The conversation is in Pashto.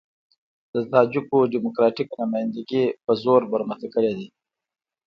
د تاجکو ډيموکراتيکه نمايندګي په زور برمته کړې ده.